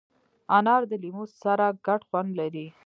انار د لیمو سره ګډ خوند لري.